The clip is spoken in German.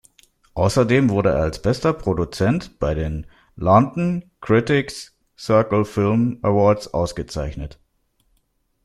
Außerdem wurde er als "Bester Produzent" bei den London Critics’ Circle Film Awards ausgezeichnet.